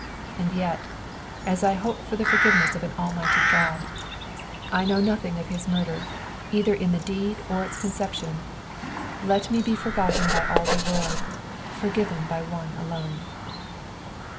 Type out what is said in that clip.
"And yet, as I hope for the forgiveness of an Almighty God, I knew nothing of his murder, either in the deed or its conception. Let me be forgotten by all the world, forgiven by one alone."